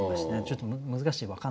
ちょっと難しい。